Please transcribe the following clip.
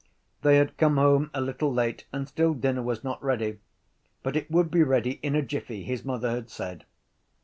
They had come home a little late and still dinner was not ready: but it would be ready in a jiffy, his mother had said.